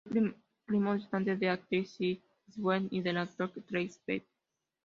Fue primo distante de la actriz Sydney Sweeney y del actor Trent Sweeney.